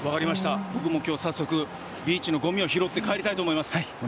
僕も今日、早速ビーチのごみを拾って帰りたいと思います。